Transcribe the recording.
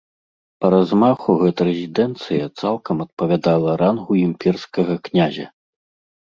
Па размаху гэта рэзідэнцыя цалкам адпавядала рангу імперскага князя.